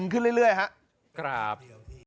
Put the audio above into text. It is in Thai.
ขึ้นเรื่อยครับ